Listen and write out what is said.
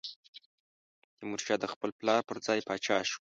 تیمورشاه د خپل پلار پر ځای پاچا شو.